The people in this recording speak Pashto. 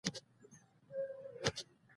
استاد د زړه تودوخه زده کوونکو ته رسوي.